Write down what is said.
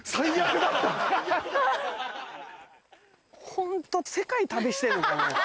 ホント世界旅してんのかな？